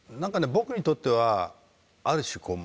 僕にとってはある種こう